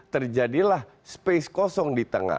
terjadilah space kosong di tengah